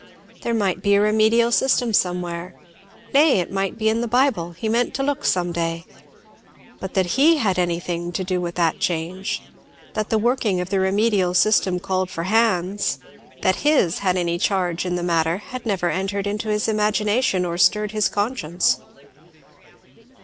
There might be a remedial system somewhere, nay, it might be in the Bible; he meant to look some day. But that he had anything to do with that change that the working of the remedial system called for hands that his had any charge in the matter had never entered into his imagination or stirred his conscience.